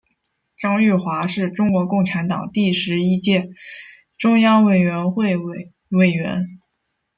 张玉华是中国共产党第十一届中央委员会委员。